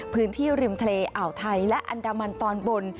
พื้นที่ริมทะเลอ่าวไทยและอันดามันตอนบน